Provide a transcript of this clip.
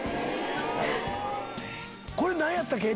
これ何やったっけ？